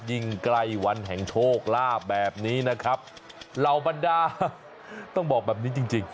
ยิ่งใกล้วันแห่งโชคลาภแบบนี้นะครับเหล่าบรรดาต้องบอกแบบนี้จริงจริง